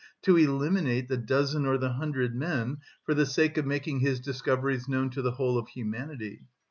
to eliminate the dozen or the hundred men for the sake of making his discoveries known to the whole of humanity.